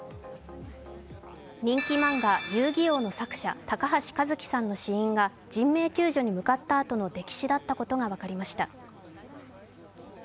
人気漫画「遊戯王」の作者高橋和希さんの死因が人命救助に向かったあとの溺死だったことが分かりました。